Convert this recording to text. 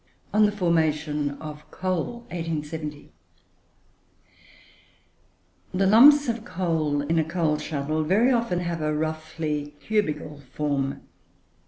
V ON THE FORMATION OF COAL The lumps of coal in a coal scuttle very often have a roughly cubical form.